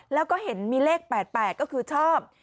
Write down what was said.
แล้วก็เห็นมีเลข๘๘ก็คือชอบ